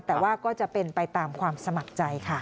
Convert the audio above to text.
แต่ว่าก็จะเป็นไปตามความสมัครใจค่ะ